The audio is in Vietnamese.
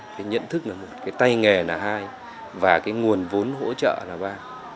cái nhận thức được một cái tay nghề là hai và cái nguồn vốn hỗ trợ là ba